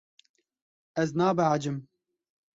Ez nabehecim.